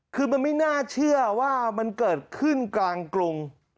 คือมันไม่น่าเชื่อว่ามันเกิดขึ้นกลางกรุง